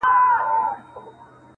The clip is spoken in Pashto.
اوبه په توره نه بېلېږي.